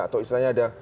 atau istilahnya ada